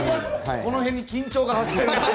この辺に緊張が走ってる。